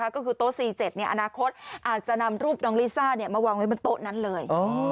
ก็คือโต๊ะ๔๗อนาคตอาจจะนำรูปน้องลิซ่ามาวางไว้บนโต๊ะนั้นเลย